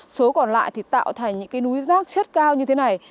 số còn lại thì tạo thành những cái núi rác chất cao như thế này